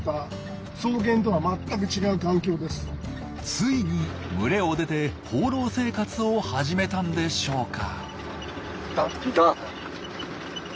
ついに群れを出て放浪生活を始めたんでしょうか？